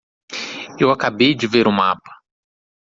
Eu acabei de ver o mapa.